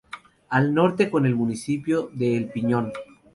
Al norte, con el municipio de El Piñón.